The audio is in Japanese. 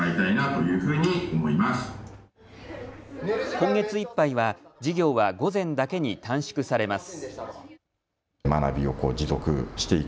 今月いっぱいは授業は午前だけに短縮されます。